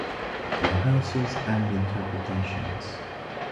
Rehearsals and interpretations.